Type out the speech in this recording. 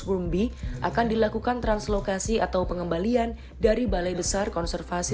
rumbi akan dilakukan translokasi atau pengembalian dari balai besar konservasi